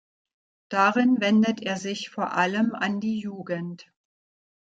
Darin wendet er sich vor allem an die Jugend".